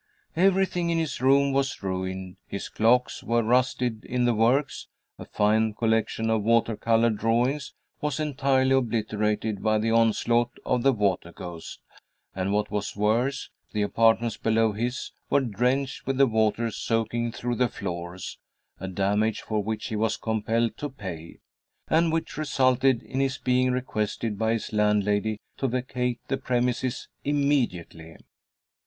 Everything in his rooms was ruined his clocks were rusted in the works; a fine collection of water color drawings was entirely obliterated by the onslaught of the water ghost; and what was worse, the apartments below his were drenched with the water soaking through the floors, a damage for which he was compelled to pay, and which resulted in his being requested by his landlady to vacate the premises immediately.